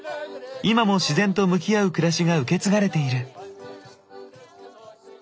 今も自然と向き合う暮らしが受け継がれている。